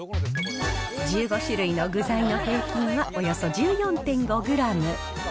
１５種類の具材の平均は、およそ１４．５グラム。